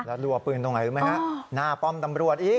แล้วรัวปืนตรงไหนรู้ไหมฮะหน้าป้อมตำรวจอีก